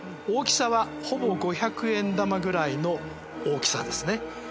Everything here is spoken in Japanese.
大きさはほぼ五百円玉ぐらいの大きさですね。